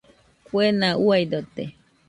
Kuena uaidote.